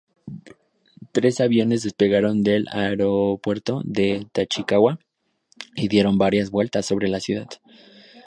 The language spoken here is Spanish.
Tres aviones despegaron del aeropuerto de Tachikawa y dieron varias vueltas sobre la ciudad.